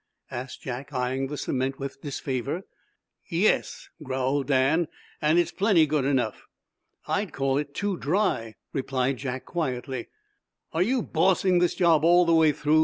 asked Jack, eyeing the cement with disfavor. "Yes," growled Dan, "and it's plenty good enough." "I'd call it too dry," replied Jack, quietly. "Are you bossing this job all the way through?"